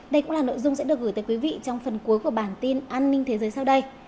đây cũng là nội dung sẽ được gửi tới quý vị trong phần cuối của bản tin an ninh thế giới sau đây